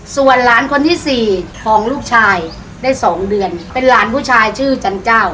ส่วนหลานคนที่สี่ของลูกชายได้สองเดือนเป็นหลานผู้ชายชื่อจันเจ้า